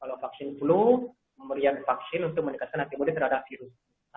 kalau vaksin flu memberikan vaksin untuk menekan antimodi terhadap virus